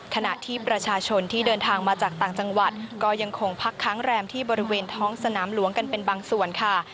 ขณะที่ประชาชนที่เดินทางมาจากต่างจังหวัดก็ยังคงพักค้างแรมที่บริเวณท้องสนามหลวงกันเป็นบางส่วนค่ะ